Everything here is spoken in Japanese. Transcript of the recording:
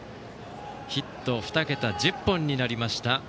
ヒット２桁１０本になりました。